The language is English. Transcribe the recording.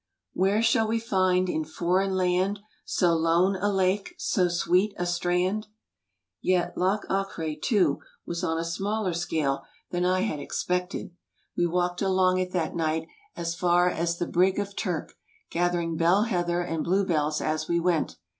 "Where shall we find in foreign land So lone a lake, so sweet a strand?" Yet Loch Achray, too, was on a smaller scale than I had f»5l u J b, Google expected. We walked along it that night as far as the 'Brig of Turk,' gathering bell heather and bluebells as we went.